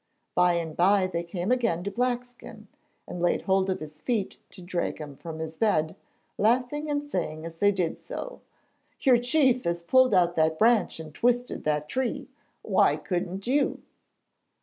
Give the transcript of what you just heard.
By and bye they came again to Blackskin and laid hold of his feet to drag him from his bed, laughing and saying as they did so: 'Your chief has pulled out that branch and twisted that tree. Why couldn't you?'